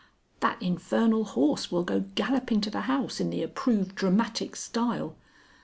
"That infernal horse will go galloping to the house in the approved dramatic style.